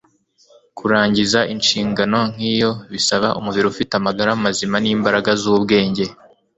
Kurangiza inshingano nk'iyo bisaba umubiri ufite amagara mazima n'imbaraga z'ubwenge